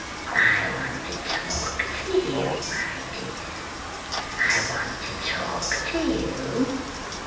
I want to talk to you, my dear. I want to talk to you."